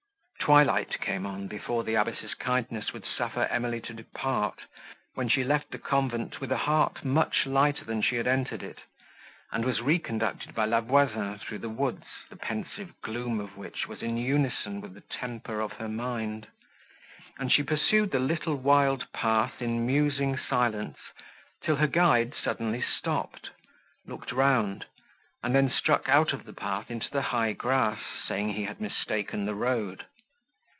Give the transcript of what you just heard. Twilight came on, before the abbess's kindness would suffer Emily to depart, when she left the convent, with a heart much lighter than she had entered it, and was reconducted by La Voisin through the woods, the pensive gloom of which was in unison with the temper of her mind; and she pursued the little wild path, in musing silence, till her guide suddenly stopped, looked round, and then struck out of the path into the high grass, saying he had mistaken the road.